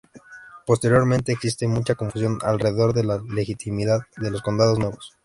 Posteriormente, existe mucha confusión alrededor de la legitimidad de los condados nuevos.